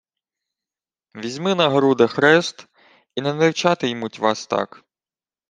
— Візьми на груди хрест — і не наричати-ймуть вас так.